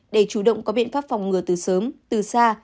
để chủ động có biện pháp phòng ngừa từ sớm từ xa